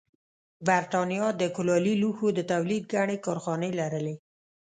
برېټانیا د کولالي لوښو د تولید ګڼې کارخانې لرلې